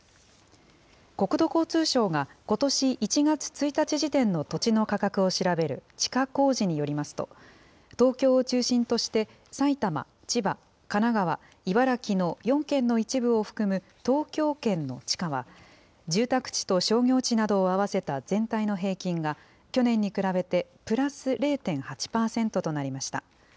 国土交通省がことし１月１日時点の土地の価格を調べる地価公示によりますと、東京を中心として、埼玉、千葉、神奈川、茨城の４県の一部を含む、東京圏の地価は、住宅地と商業地などを合わせた全体の平均が、去年に比べてプラス０．８％となりました。